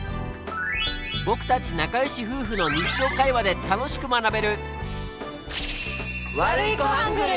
僕たち仲良し夫婦の日常会話で楽しく学べる